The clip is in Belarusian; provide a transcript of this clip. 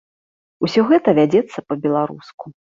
Усё гэта вядзецца па-беларуску.